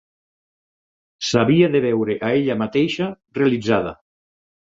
S'havia de veure a ella mateixa realitzada.